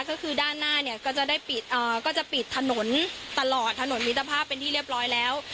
ก็คือด้านหน้าเนี่ยก็จะได้ปิดก็จะปิดถนนตลอดถนนมิตรภาพเป็นที่เรียบร้อยแล้ว